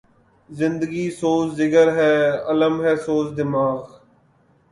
زندگی سوز جگر ہے ،علم ہے سوز دماغ